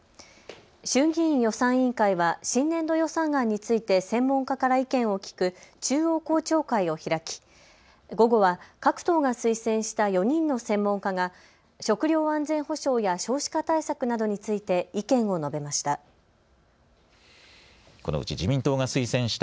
衆議院予算委員会は新年度予算案について専門家から意見を聞く中央公聴会を開き午後は各党が推薦した４人の専門家が食料安全保障や少子化対策などについて意見を述べました。